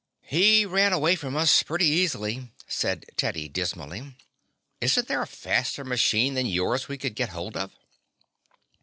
"He ran away from us pretty easily," said Teddy dismally. "Isn't there a faster machine than yours we could get hold of?"